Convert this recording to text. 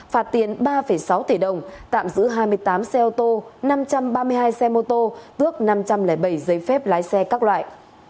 phạt tiền ba sáu tỷ đồng tạm giữ hai mươi tám xe ô tô năm trăm ba mươi hai xe mô tô tước năm trăm linh bảy giấy phép lái xe các loại